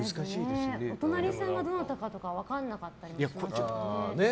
お隣さんがどなたかとか分からなかったりしますしね。